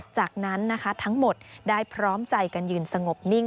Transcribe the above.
จากนั้นนะคะทั้งหมดได้พร้อมใจกันยืนสงบนิ่ง